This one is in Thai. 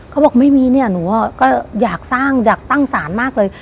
เขาบอกไม่มีเนี่ยหนูก็อยากสร้างอยากตั้งศาลมากเลย